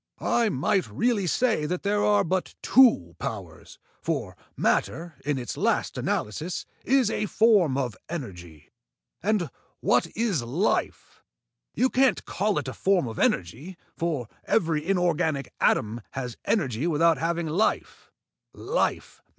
I might really say that there are but two powers, for matter, in its last analysis, is a form of energy. And what is life? You can't call it a form of energy, for every inorganic atom has energy without having life.